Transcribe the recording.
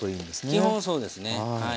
基本そうですね。